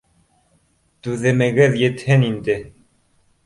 Түҙемегеҙ етһен инде